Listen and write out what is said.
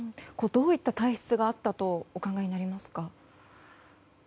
どういった体質があったとお考えになりますか。